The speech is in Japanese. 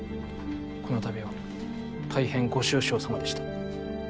この度は大変ご愁傷様でした。